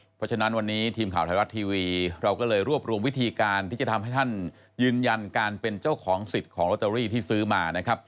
เพราะฉะนั้นวันนี้ทีมข่าวไทยรัฐทีวีเราก็เลยรวบรวมวิธีการที่จะทำให้ท่านยืนยันการเป็นเจ้าของสิทธิ์ของลอตเตอรี่ที่ซื้อมานะครับ